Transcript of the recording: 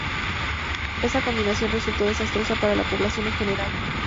Esa combinación resultó desastrosa para la población en general.